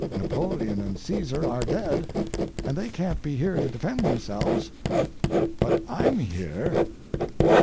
Napoleon and Caesar are dead, and they can't be here to defend themselves. But I'm here!